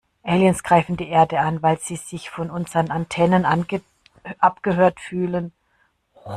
Aliens greifen die Erde an, weil sie sich von unseren Antennen abgehört fühlen.